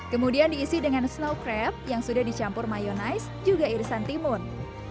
kemudian diisi dengan snow crab yang sudah dicampur mayonaise juga irisan timun